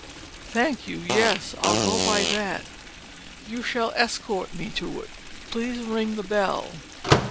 "Thank you. Yes, I'll go by that. You shall escort me to it. Please ring the bell."